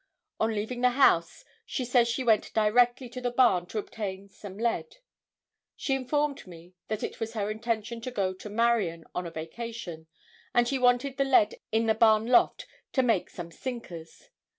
On leaving the house, she says she went directly to the barn to obtain some lead. She informed me that it was her intention to go to Marion on a vacation, and she wanted the lead in the barn loft to make some sinkers.